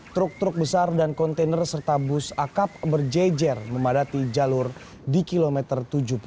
truk truk besar dan kontainer serta bus akap berjejer memadati jalur di kilometer tujuh puluh